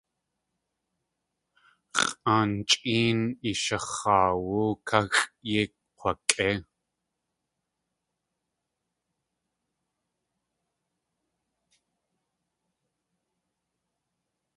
X̲ʼaan chʼéen i shax̲aawú káxʼ kei kg̲wakʼéi.